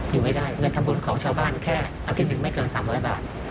อยู่ไม่ได้เงินทำบุญของชาวบ้านแค่อาทิตย์หนึ่งไม่เกิน๓๐๐บาท